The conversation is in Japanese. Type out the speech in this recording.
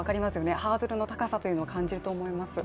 ハードルの高さを感じると思います。